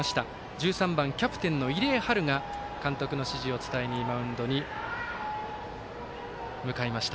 １３番、キャプテンの入江陽が監督の指示を伝えにマウンドに向かいました。